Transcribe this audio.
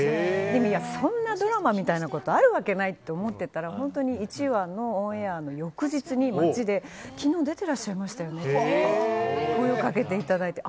いやいや、そんなドラマみたいなことあるわけないって思っていたら本当に１話のオンエアの翌日に、街で昨日、出ていらっしゃいましたよねって声をかけていただいて。